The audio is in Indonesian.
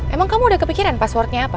emang kamu udah kepikiran passwordnya apa